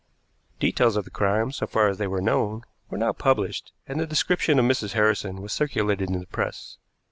Details of the crime, so far as they were known, were now published, and the description of Mrs. Harrison was circulated in the press.